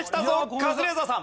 カズレーザーさん。